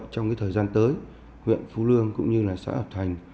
trong thời gian tới huyện phú lương cũng như là xã hợp thành